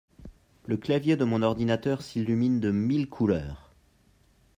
Le clavier de mon ordinateur s'illumine de mille couleurs